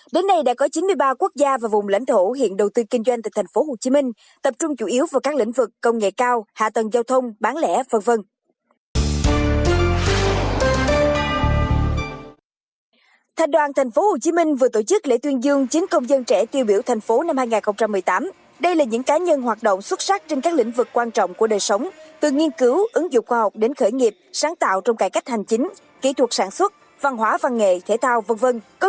đến nay đã có chín mươi ba quốc gia và vùng lãnh thổ hiện đầu tư kinh doanh tại thành phố hồ chí minh tập trung chủ yếu vào các lĩnh vực công nghệ cao hạ tầng giao thông bán lẻ v v